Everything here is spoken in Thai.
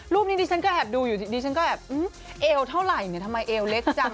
รูปนี้ดิฉันก็แอบดูอยู่ดิฉันก็แอบเอวเท่าไหร่เนี่ยทำไมเอวเล็กจัง